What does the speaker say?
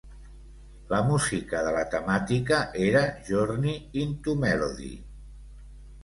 La música de la temàtica era Journey into Melody.